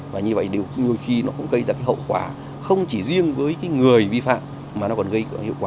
và như vậy đều có nhiều khi nó cũng gây ra hậu quả không chỉ riêng với người vi phạm mà nó còn gây hiệu quả